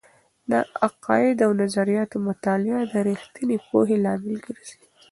د عقائد او نظریاتو مطالعه د رښتینې پوهې لامل ګرځي.